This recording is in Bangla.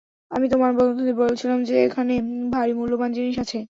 আমি তোমার বন্ধুদের বলছিলাম যে এখানে ভারি মূল্যবান জিনিস আছে।